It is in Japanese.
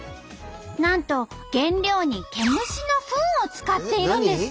なんと原料にケムシのフンを使っているんです。